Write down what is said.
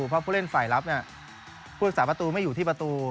เพราะผู้เล่นฝ่ายรับผู้รักษาประตูไม่อยู่ที่ประตู